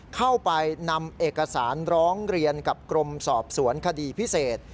เข้าไปนำเอกสารร้องเรียนกับกรมสอบสวนคดีพิเศษ